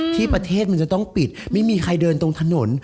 ที่ประเทศมันจะต้องปิดไม่มีใครเดินตรงถนน